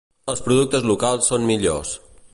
Els productes locals són millors.